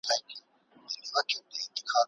ژبه يوازې د خبرو وسيله نه ده.